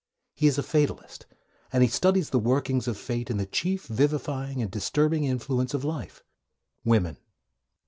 He is a fatalist, and he studies the workings of fate in the chief vivifying and disturbing influence in life, women.